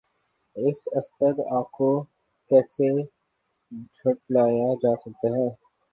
اس استدعاکو کیسے جھٹلایا جاسکتاہے؟